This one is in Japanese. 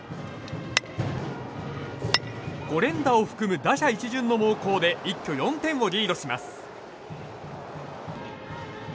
５連打を含む打者一巡の猛攻で一挙４点をリードします。